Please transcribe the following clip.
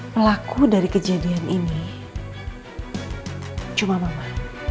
pelaku dari kejadian ini cuma mama